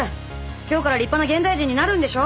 今日から立派な現代人になるんでしょ？